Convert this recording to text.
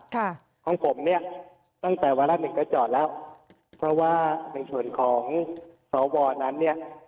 ของผมเนี่ยตั้งแต่วาระหนึ่งก็จอดแล้วเพราะว่าในส่วนของสวนั้นเนี่ย